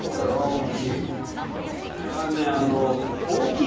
これは大きい。